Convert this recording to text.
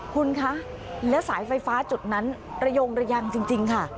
คุณคะแล้วสายไฟฟ้าจุดนั้นระยงระยังจริงค่ะ